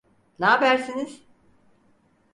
N'abersiniz?